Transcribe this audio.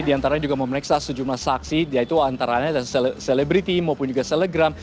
di antaranya juga memeriksa sejumlah saksi yaitu antaranya selebriti maupun juga selegram